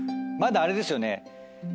まだあれですよね。